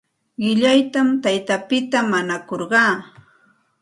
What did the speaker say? Qillaytam taytapita mañakurqaa.